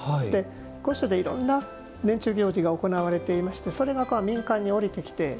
御所でいろんな年中行事が行われていましてそれが、民間におりてきて。